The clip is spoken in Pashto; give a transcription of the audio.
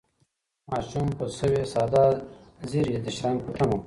ماشوم په سوې ساه د زېري د شرنګ په تمه و.